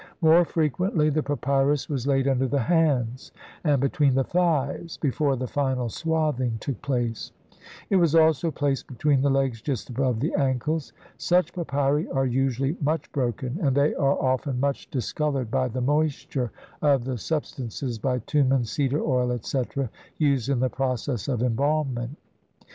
More frequently the papyrus was laid under the hands and between the thighs before the final swathing took place ; it was also placed between the legs just above the ankles. Such papyri are usually much broken, and they are often much discoloured by the moisture of the sub stances, bitumen, cedar oil, etc., used in the process of embalmment.